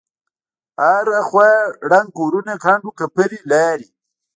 هره خوا ړنگ کورونه کند وکپرې لارې.